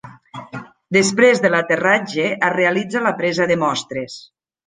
Després de l'aterratge es realitza la presa de mostres.